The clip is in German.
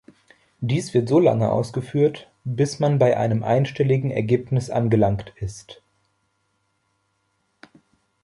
Dies wird solange ausgeführt, bis man bei einem einstelligen Ergebnis angelangt ist.